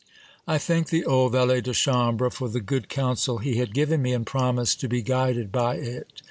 I thanked the old valet de chambre for the good counsel he had given me, and promised to be guided by it.